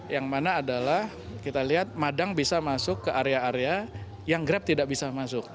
yang mana adalah kita lihat madang bisa masuk ke area area yang grab tidak bisa masuk